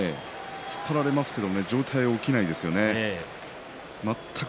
突っ張られますけれども上体が起きないですよね